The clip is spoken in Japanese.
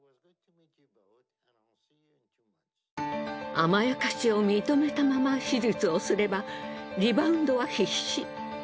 甘やかしを認めたまま手術をすればリバウンドは必至。